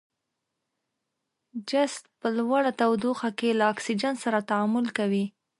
جست په لوړه تودوخه کې له اکسیجن سره تعامل کوي.